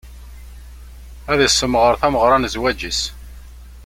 Ad issemɣer tameɣra n zzwaǧ-is.